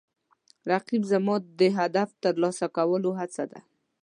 رقیب زما د هدف ترلاسه کولو هڅه ده